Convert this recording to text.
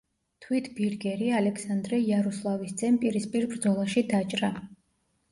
თვით ბირგერი ალექსანდრე იაროსლავის ძემ პირისპირ ბრძოლაში დაჭრა.